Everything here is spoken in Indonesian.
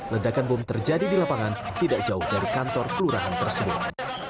ledakan bom terjadi di lapangan tidak jauh dari kantor kelurahan tersebut